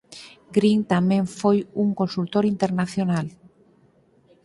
Green tamén foi un consultor internacional.